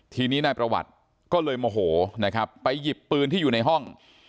ทีนี้นายประวัติก็เลยโมโหนะครับไปหยิบปืนที่อยู่ในห้อง